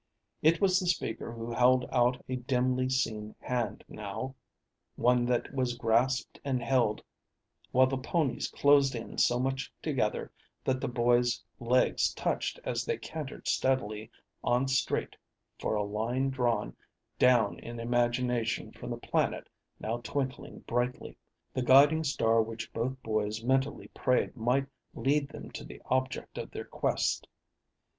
It was the speaker who held out a dimly seen hand now, one that was grasped and held while the ponies closed in so much together that the boys' legs touched as they cantered steadily on straight for a line drawn down in imagination from the planet now twinkling brightly the guiding star which both boys mentally prayed might lead them to the object of their quest.